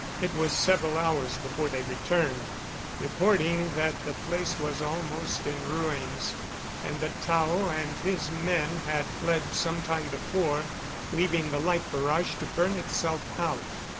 It was several hours before they returned, reporting that the place was almost in ruins, and that Tao and his men had fled some time before, leaving the light barrage to burn itself out.